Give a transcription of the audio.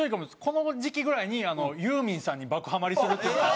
この時期ぐらいにユーミンさんに爆ハマリするっていうのが。